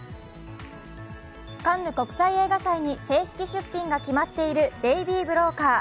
カンヌ国際映画祭に正式出品が決まっている「ベイビー・ブローカー」。